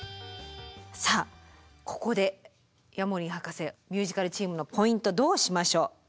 さあここでヤモリン博士ミュージカルチームのポイントどうしましょう？